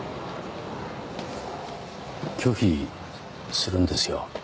拒否するんですよ。